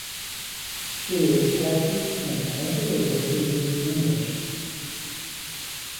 She is captured and handed over to the English.